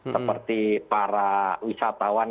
seperti para wisatawan